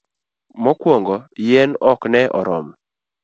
mokuongo. yien ok ne oromo